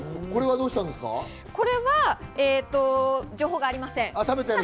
これは情報がありません。